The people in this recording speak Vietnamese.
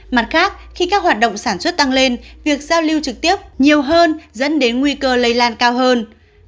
mặt khác khi các hoạt động sản xuất tăng lên việc giao lưu trực tiếp nhiều hơn dẫn đến nguy cơ lây lan cao hơn